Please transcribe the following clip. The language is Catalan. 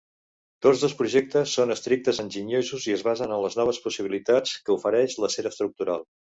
Tots dos projectes són estrictes, enginyosos i es basen en les noves possibilitats que ofereix l'acer estructural.